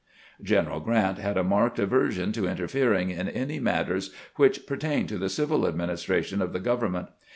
..." General Grant had a marked aversion to interfering in any matters which pertained to the civU administra tion of the government.